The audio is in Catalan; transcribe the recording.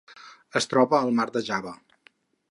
Es troba al Mar de Java.